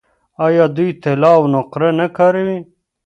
آیا دوی طلا او نقره نه کاروي؟